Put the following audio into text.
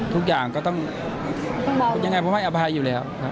ทุกอย่างก็ต้องยังไงผมให้อภัยอยู่แล้วครับ